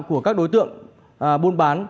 để các đối tượng bôn bán